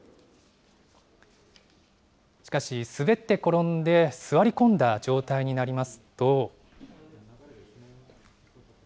しかし、滑って転んで座り込んだ状態になりますと。